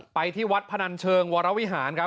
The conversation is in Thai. ไปที่วัดพนันเชิงวรวิหารครับ